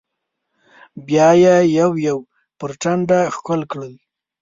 بيا يې يو يو پر ټنډه ښکل کړل.